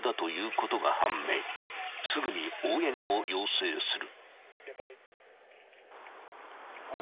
［すぐに応援を要請する］